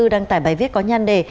đăng tải bài viết có nhanh đề